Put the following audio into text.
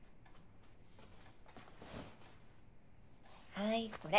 はいこれ。